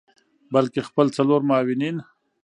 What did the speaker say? بلکه خپل څلور معاونین